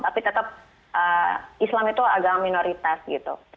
tapi tetap islam itu agama minoritas gitu